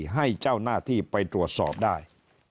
ให้เจ้าหน้าที่ไปตรวจสอบได้